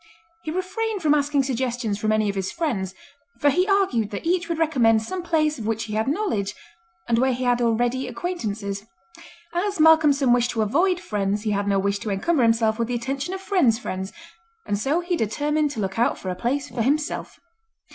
He refrained from asking suggestions from any of his friends, for he argued that each would recommend some place of which he had knowledge, and where he had already acquaintances. As Malcolmson wished to avoid friends he had no wish to encumber himself with the attention of friends' friends, and so he determined to look out for a place for himself.